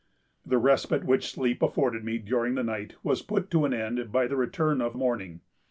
"The respite which sleep afforded me during the night was put an end to by the return of morning.